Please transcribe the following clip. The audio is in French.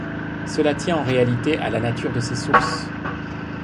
Cela tient en réalité à la nature de ses sources.